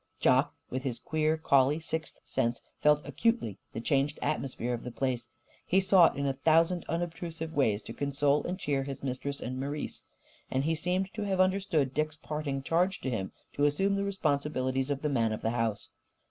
Jock, with his queer collie sixth sense, felt acutely the changed atmosphere of the place. He sought, in a thousand unobtrusive ways, to console and cheer his mistress and Marise. And he seemed to have understood Dick's parting charge to him to assume the responsibilities of "the man of the house."